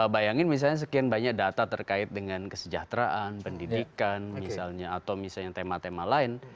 bayangin misalnya sekian banyak data terkait dengan kesejahteraan pendidikan misalnya atau misalnya tema tema lain